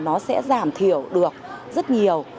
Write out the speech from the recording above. nó sẽ giảm thiểu được rất nhiều